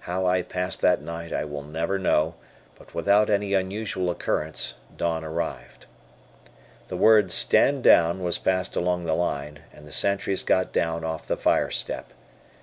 How I passed that night I will never know, but without any unusual occurrence, dawn arrived. The word "stand down" was passed along the line, and the sentries got down off the fire step.